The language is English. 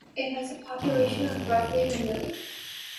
It has a population of roughly one million.